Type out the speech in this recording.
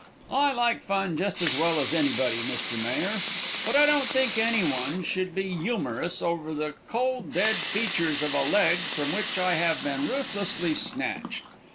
I like fun just as well as anybody, Mr. Mayor, but I don't think any one should be youmerous over the cold dead features of a leg from which I have been ruthlessly snatched.